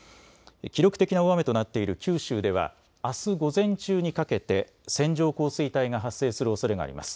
記録的な大雨となっている九州ではあす午前中にかけて線状降水帯が発生するおそれがあります。